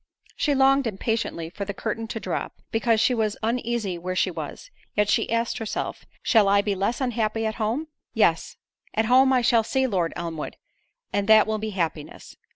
She longed impatiently for the curtain to drop, because she was uneasy where she was—yet she asked herself, "Shall I be less unhappy at home? Yes; at home I shall see Lord Elmwood, and that will be happiness.